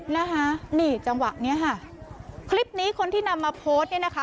นะคะนี่จังหวะเนี้ยค่ะคลิปนี้คนที่นำมาโพสต์เนี่ยนะคะ